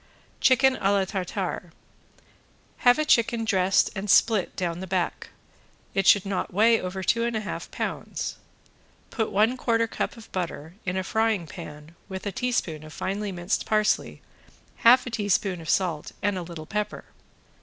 ~CHICKEN A LA TARTARE~ Have a chicken dressed and split down the back; it should not weigh over two and a half pounds. Put one quarter cup of butter in a frying pan with a teaspoon of finely minced parsley, half a teaspoon of salt and a little pepper.